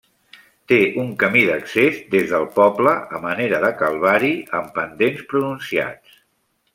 Té un camí d'accés des del poble, a manera de calvari amb pendents pronunciats.